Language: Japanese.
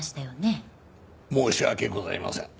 申し訳ございません。